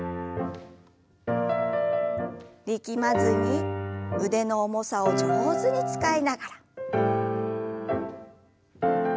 力まずに腕の重さを上手に使いながら。